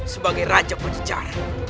sebagai raja penjejar